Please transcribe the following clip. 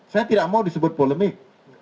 saya tidak mau disebut polemik